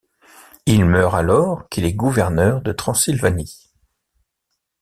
Il meurt alors qu'il est gouverneur de Transylvanie.